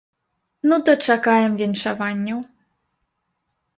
Ну то чакаем віншаванняў.